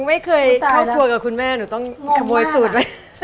น่ะม่๊ยเคยเข้าครัวกับคุณแม่หนูต้องขโมยสูตร๕๕๕๕๕๕๕๕๕